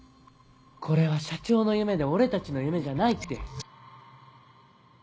これは社長の夢で俺たちの夢じゃないって。